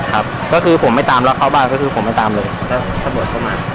ครับก็คือผมไปตามแล้วเข้าบ้านก็คือผมไปตามเลยแล้วตำรวจเข้ามา